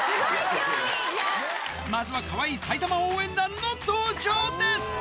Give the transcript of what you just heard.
まずはかわいい埼玉応援団の登場です